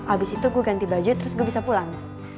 abis itu gue ganti budget terus gue bisa pulang